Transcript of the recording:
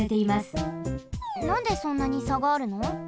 なんでそんなにさがあるの？